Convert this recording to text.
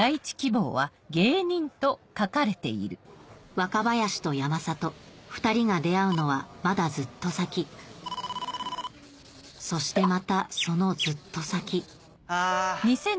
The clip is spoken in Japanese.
若林と山里２人が出会うのはまだずっと先そしてまたそのずっと先あ。